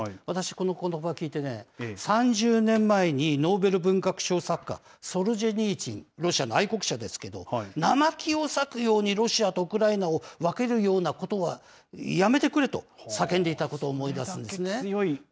私、このことば聞いてね、３０年前にノーベル文学賞作家、ソルジェニーツィン、ロシアの愛国者ですけれども、生木を裂くようにロシアとウクライナを分けるようなことはやめてくれと叫んでいたことを思い出すんです。